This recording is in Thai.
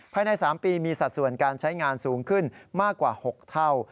ภายใน๓ปีมีสัดส่วนการใช้งานสูงขึ้นมากกว่า๖เท่า